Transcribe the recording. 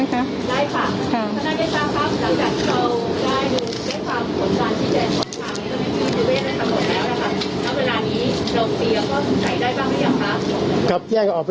และเวลานี้เราชื่นใจได้บ้างมั้ยครับครับ